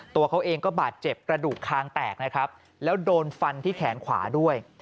ตัวเขาเองก็บาดเจ็บกระดูกคางแตกนะครับแล้วโดนฟันที่แขนขวาด้วย